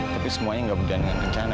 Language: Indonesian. tapi semuanya gak berdaya dengan rencana